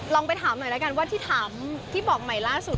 ไปถามหน่อยแล้วกันว่าที่ถามที่บอกใหม่ล่าสุด